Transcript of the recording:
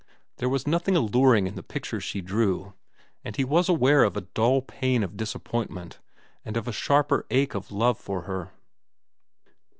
There was nothing alluring in the pictures she drew, and he was aware of a dull pain of disappointment and of a sharper ache of love for her.